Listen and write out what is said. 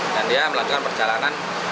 dan dia melakukan perjalanan